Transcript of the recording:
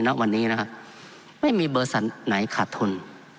ณวันนี้นะครับไม่มีเบอร์สันไหนขาดทุน